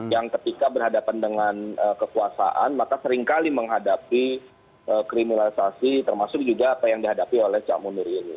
yang ketika berhadapan dengan kekuasaan maka seringkali menghadapi kriminalisasi termasuk juga apa yang dihadapi oleh cak munir ini